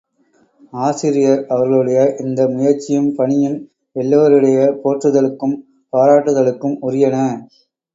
ஆசிரியர் அவர்களுடைய இந்த முயற்சியும், பணியும் எல்லோருடைய போற்றுதலுக்கும், பாராட்டுதலுக்கும் உரியன.